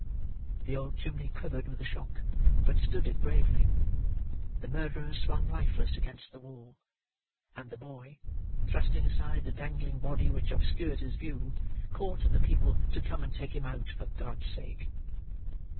The old chimney quivered with the shock, but stood it bravely. The murderer swung lifeless against the wall; and the boy, thrusting aside the dangling body which obscured his view, called to the people to come and take him out, for God's sake.